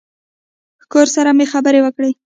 کور سره مې خبرې وکړې.